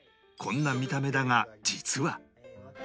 こんな見た目だが実は